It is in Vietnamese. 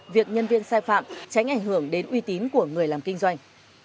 việc nhân viên sai phạm tránh ảnh hưởng đến uy tín của người làm kinh doanh